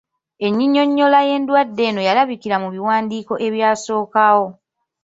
Enyinyonnyola y'endwadde eno yalabikira mu biwandiiko ebyasookawo.